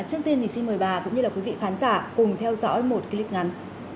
trước tiên thì xin mời bà cũng như là quý vị khán giả cùng theo dõi một clip ngắn